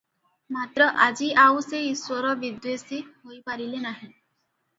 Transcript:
ମାତ୍ର ଆଜି ଆଉ ସେ ଈଶ୍ୱରବିଦ୍ୱେଷୀ ହୋଇପାରିଲେ ନାହିଁ ।